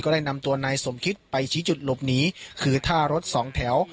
ได้นำตัวนายสมคิตไปชี้จุดหลบหนีคือท่ารถสองแถว